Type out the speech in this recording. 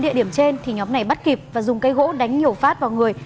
xin chào và hẹn gặp lại